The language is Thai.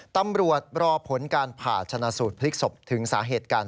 ตำรวจรอผลการผ่าชนะสูตรพลิกศพถึงสาเหตุการณ์